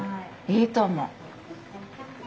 いいと思う！